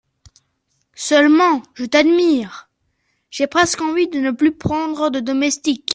Seulement, je t’admire,… j’ai presque envie de ne plus prendre de domestique.